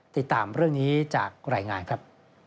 ติดตามเรื่องนี้จากรายงานครับ